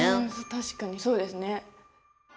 確かにそうですね。